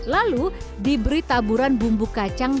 lalu diberi taburan bumbu kacang